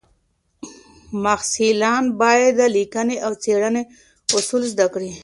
محصلان باید د لیکنې او څېړنې اصول زده کړي.